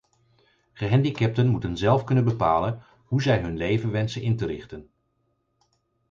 Gehandicapten moeten zelf kunnen bepalen hoe zij hun leven wensen in te richten.